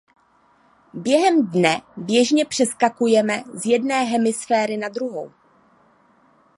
Během dne běžně přeskakujeme z jedné hemisféry na druhou.